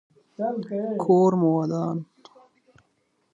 په افغانستان کې د تاریخ د پوهې لپاره ډېرې طبیعي منابع شته دي.